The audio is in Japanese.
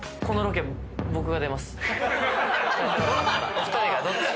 お二人がどっちか。